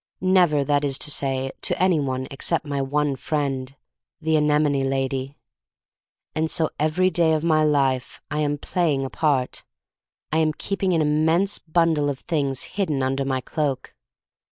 Never, that is to say, to any one except my one friend, the anemone lady. — And so THE STORY OF MARY MAC LANE 1 35 every day of my life I am playing a part; I am keeping an immense bundle of things hidden under my cloak.